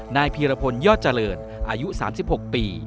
พีรพลยอดเจริญอายุ๓๖ปี